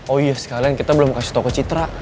oh iya sekalian kita belum kasih tau ke citra